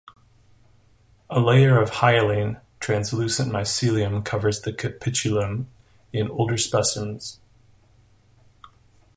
A layer of hyaline (translucent) mycelium covers the capitulum in older specimens.